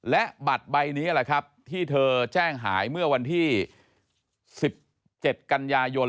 และบัตรใบนี้แหละครับที่เธอแจ้งหายเมื่อวันที่๑๗กันยายน